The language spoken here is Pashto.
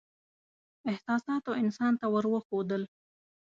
احساساتو انسان ته ور وښودل.